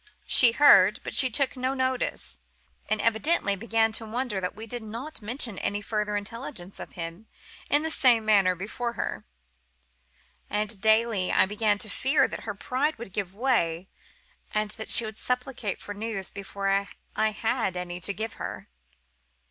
She heard, but she took no notice, and evidently began to wonder that we did not mention any further intelligence of him in the same manner before her; and daily I began to fear that her pride would give way, and that she would supplicate for news before I had any to give her.